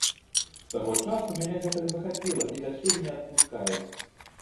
З таго часу мяне гэта захапіла і дасюль не адпускае.